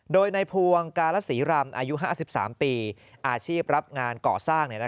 โดยในพวงการศรีรำอายุ๕๓ปีอาชีพรับงานก่อสร้าง